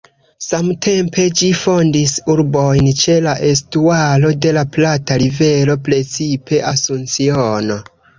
Samtempe ĝi fondis urbojn ĉe la estuaro de la Plata-rivero, precipe Asunciono.